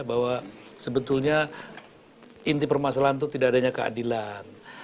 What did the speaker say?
bahwa sebetulnya inti permasalahan itu tidak adanya keadilan